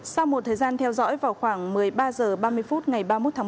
sau một thời gian theo dõi vào khoảng một mươi ba h ba mươi phút ngày ba mươi một tháng một